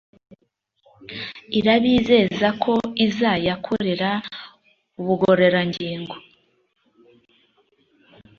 irabizeza ko izayakorera ubugororangingo